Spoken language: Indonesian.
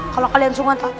kalau kalian sungguh gak tau